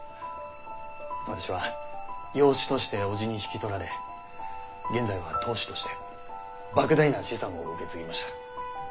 私は養子として伯父に引き取られ現在は当主として莫大な資産を受け継ぎました。